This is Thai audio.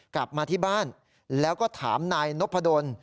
กลับมาที่บ้านแล้วก็ถามนายนพดล